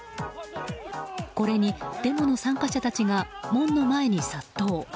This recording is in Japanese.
これにデモの参加者たちが門の前に殺到。